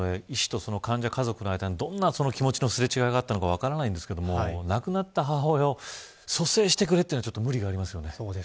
医師と患者、家族の間にどんな気持ちのすれ違いがあったのか分かりませんが亡くなった母親を蘇生してくれというのは無理がありますよね。